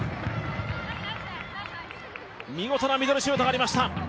見事なミドルシュートがありました。